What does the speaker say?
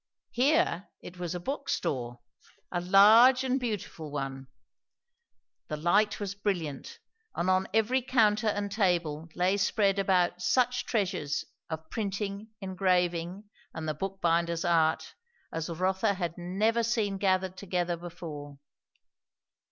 Here it was a bookstore; a large and beautiful one. The light was brilliant; and on every counter and table lay spread about such treasures of printing, engraving, and the book binder's art, as Rotha had never seen gathered together before.